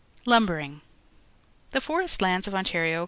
Lumbering. — The forest lands of Ontario